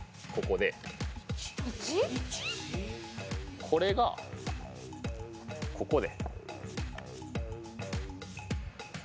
でこれがここで。